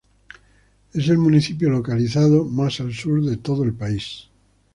Es el municipio localizado más al sur de todo el país.